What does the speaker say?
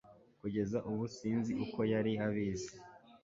kugeza ubu sinzi uko yari abizi